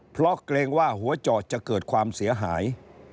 เพราะเกรงว่าหัวเจาะจะเกิดความเสียหาย